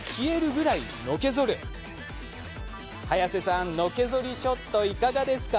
早瀬さん、のけぞりショットいかがですか？